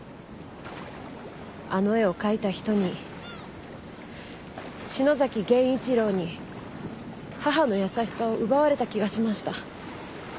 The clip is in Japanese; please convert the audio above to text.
あの絵を描いた人に篠崎源一郎に母の優しさを奪われた気がしました。